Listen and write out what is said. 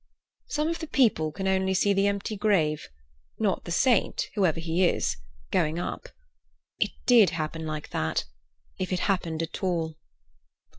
"Some of the people can only see the empty grave, not the saint, whoever he is, going up. It did happen like that, if it happened at all."